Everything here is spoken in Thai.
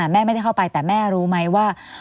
แม่ไม่ได้เข้าไปแต่แม่รู้ไหมว่า